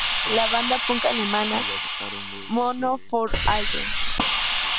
La banda Punk Alemana Mono für Alle!